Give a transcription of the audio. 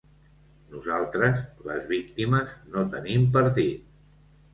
Nosaltres, les víctimes, no tenim partit.